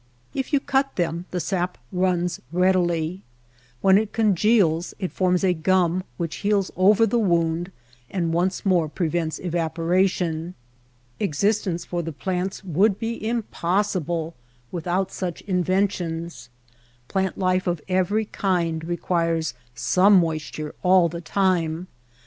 If you cut them the sap runs readily. When it congeals it forms a gum which heals over the wound and once more prevents evaporation. Existence for the plants would be impossible without such inventions. Plant life of every kind requires some moisture all the time.